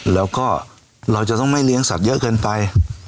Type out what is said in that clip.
แล้วก็เราจะต้องไม่เลี้ยงสัตว์เยอะเกินไป